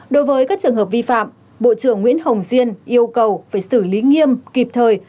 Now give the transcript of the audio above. đối với các trường hợp vi phạm bộ trưởng nguyễn hồng diên yêu cầu phải xử lý nghiêm kịp thời